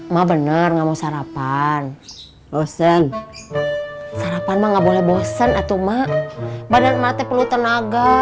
ma bener ngamu sarapan bosen sarapan nggak boleh bosen atau mak badan mati perlu tenaga